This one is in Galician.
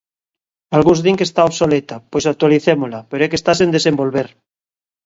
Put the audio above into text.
Algúns din que está obsoleta, pois actualicémola, pero é que está sen desenvolver!